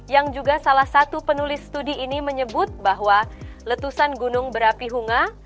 yang juga salah satu penulis studi ini menyebut bahwa letusan gunung berapi hunga